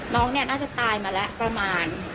น้องเนี่ยตายมาและประมาณ